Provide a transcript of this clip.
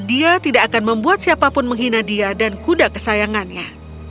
dan dia tidak akan membuat siapa pun menghina dia dan kuda kesayangannya